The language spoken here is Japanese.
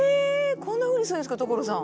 こんなふうにするんですか所さん。